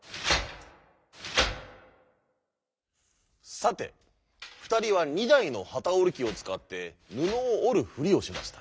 さてふたりは２だいのはたおりきをつかってぬのをおるふりをしました。